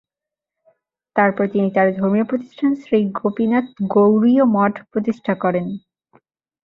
তারপর তিনি তার ধর্মীয় প্রতিষ্ঠান শ্রী গোপীনাথ গৌড়ীয় মঠ প্রতিষ্ঠা করেন।